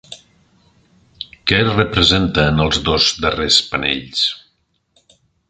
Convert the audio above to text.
Què es representa en els dos darrers panells?